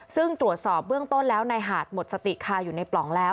ซึ่งตรวจสอบเบื้องต้นแล้วนายหาดหมดสติคาอยู่ในปล่องแล้ว